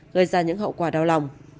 gây ra những hậu quả đau lòng